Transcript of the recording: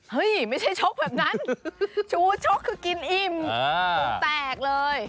ไม่ใช่ชกแบบนั้นชูชกคือกินอิ่มหูแตกเลย